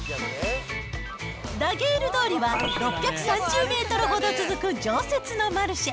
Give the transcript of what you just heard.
ダゲール通りは、６３０メートルほど続く常設のマルシェ。